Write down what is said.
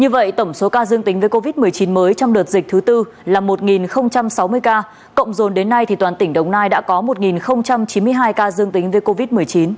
như vậy tổng số ca dương tính với covid một mươi chín mới trong đợt dịch thứ tư là một sáu mươi ca cộng dồn đến nay toàn tỉnh đồng nai đã có một chín mươi hai ca dương tính với covid một mươi chín